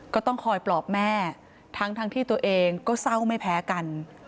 ก็ต้องคอยปลอบแม่ทั้งที่ตัวเองก็เศร้าไม่แพ้กัน